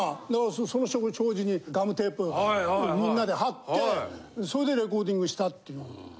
その障子にガムテープみんなで貼ってそれでレコーディングしたっていう。